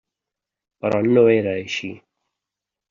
Però no era així.